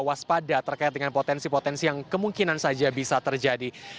waspada terkait dengan potensi potensi yang kemungkinan saja bisa terjadi